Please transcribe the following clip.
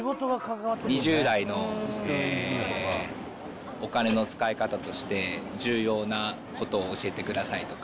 ２０代のお金の使い方として、重要なことを教えてくださいとか。